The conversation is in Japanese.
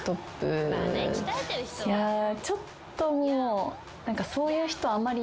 いやちょっともう何か。